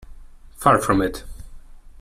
Far from it.